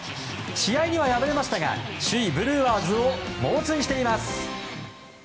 試合には敗れましたが首位ブルワーズを猛追しています。